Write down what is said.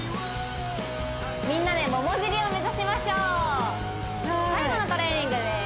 みんなで桃尻を目指しましょう最後のトレーニングです